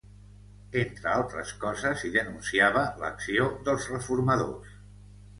Entre altres coses, hi denunciava l'acció dels reformadors.